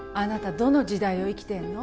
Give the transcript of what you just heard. どの時代を生きてんの？